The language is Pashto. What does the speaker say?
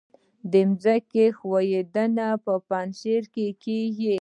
د ځمکې ښویدنه په پنجشیر کې کیږي